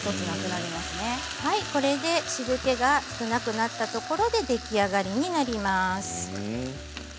これで汁けがなくなったところで出来上がりになります。